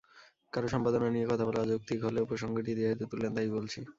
কারও সম্পাদনা নিয়ে কথা বলা অযৌক্তিক হলেও প্রসঙ্গটি যেহেতু তুললেন তাই বলছি।